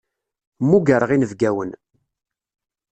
Mmugreɣ inebgawen.